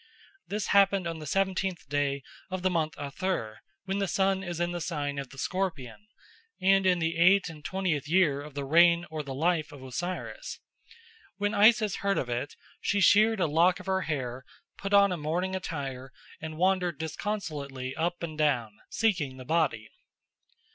This happened on the seventeenth day of the month Athyr, when the sun is in the sign of the Scorpion, and in the eight and twentieth year of the reign or the life of Osiris. When Isis heard of it she sheared off a lock of her hair, put on a mourning attire, and wandered disconsolately up and down, seeking the body.